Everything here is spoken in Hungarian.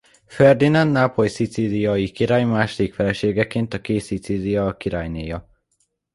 Ferdinánd nápoly–szicíliai király második feleségeként a Két Szicília királynéja.